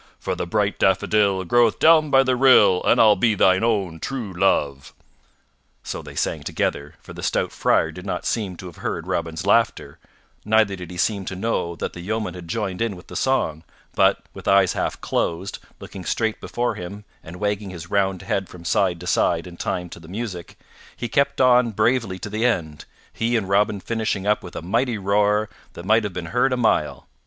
For the bright daffodil Groweth down by the rill And I'll be thine own true love_." So they sang together, for the stout Friar did not seem to have heard Robin's laughter, neither did he seem to know that the yeoman had joined in with the song, but, with eyes half closed, looking straight before him and wagging his round head from side to side in time to the music, he kept on bravely to the end, he and Robin finishing up with a mighty roar that might have been heard a mile.